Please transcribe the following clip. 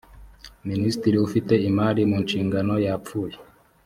minisitiri ufite imari mu nshingano yapfuye